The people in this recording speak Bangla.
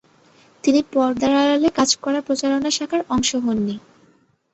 তিনি পর্দার আড়ালে কাজ করা প্রচারণা শাখার অংশ হন নি।